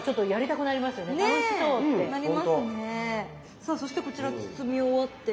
さあそしてこちら包み終わって。